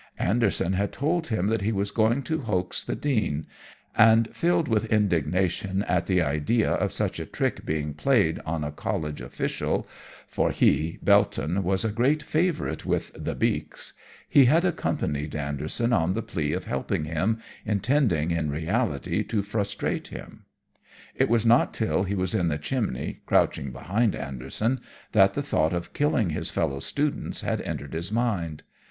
Anderson had told him that he was going to hoax the Dean, and filled with indignation at the idea of such a trick being played on a College official for he, Belton, was a great favourite with the 'Beaks' he had accompanied Anderson on the plea of helping him, intending, in reality, to frustrate him. It was not till he was in the chimney, crouching behind Anderson, that the thought of killing his fellow students had entered his mind.